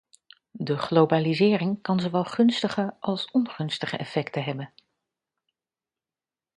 De globalisering kan zowel gunstige als ongunstige effecten hebben.